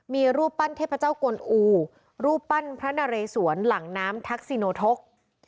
มีรูปปั้นเทพเจ้ากวนอูรูปปั้นพระนาเรสวนหลังน้ำทักษิโนทก